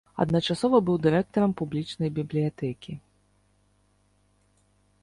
Адначасова быў дырэктарам публічнай бібліятэкі.